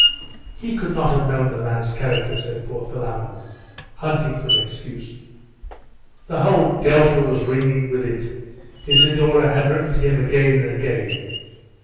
'He could not have known the man's character,' said poor Philammon, hunting for an excuse. 'The whole Delta was ringing with it. Isidore had written to him again and again.